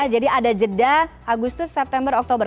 jadi ada jeda agustus september oktober